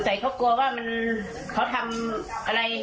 แต่เขากลัวว่ามันเขาทำอะไร